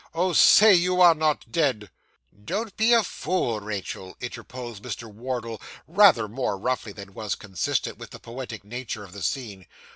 'Oh, say you are not dead!' 'Don't be a fool, Rachael,' interposed Mr. Wardle, rather more roughly than was consistent with the poetic nature of the scene.